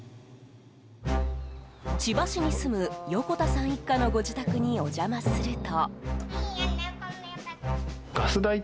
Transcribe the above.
千葉市に住む、横田さん一家のご自宅にお邪魔すると。